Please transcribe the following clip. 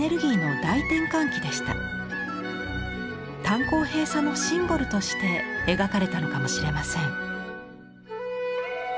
炭鉱閉鎖のシンボルとして描かれたのかもしれません。